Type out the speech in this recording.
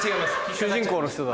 主人公の人だ。